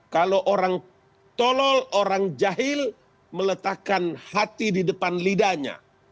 kalau orang tolol orang jahil meletakkan hati di depan lidahnya